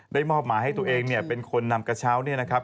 มอบหมายให้ตัวเองเนี่ยเป็นคนนำกระเช้าเนี่ยนะครับ